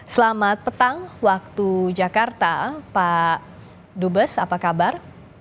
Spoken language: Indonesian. selamat petang waktu jakarta pak dubes apa kabar